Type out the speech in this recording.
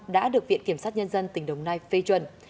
đã được viện kiểm sát nhân dân tỉnh đồng nai phê chuẩn